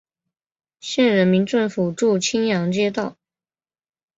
县人民政府驻青阳街道。